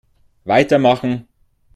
Weitermachen!